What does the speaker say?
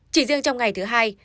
chỉ riêng trong ngày thứ hai